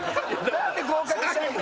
なんで合格しちゃうの？